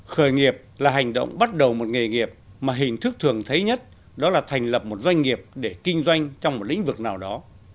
khởi nghiệp là hành động bắt đầu một nghề nghiệp mà hình thức thường thấy nhất đó là thành lập một doanh nghiệp để kinh doanh trong một lĩnh vực nào đó